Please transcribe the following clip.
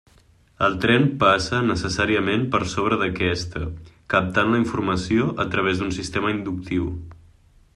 El tren passa necessàriament per sobre d'aquesta, captant la informació a través d'un sistema inductiu.